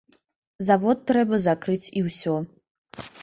Завод трэба закрыць і ўсё.